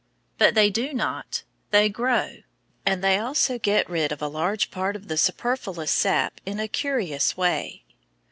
But they do not; they grow. And they also get rid of a large part of the superfluous sap in a curious way.